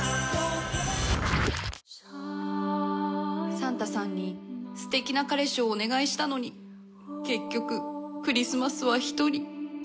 「サンタさんにすてきな彼氏をお願いしたのに結局クリスマスはひとり」